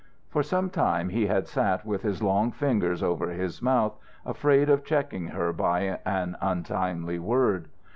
For some time he had sat with his long fingers over his mouth, afraid of checking her by an untimely word.